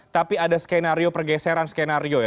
tapi ada skenario pergeseran skenario ya